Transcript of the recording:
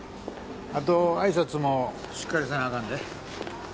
あと、あいさつもしっかりせなあかんで。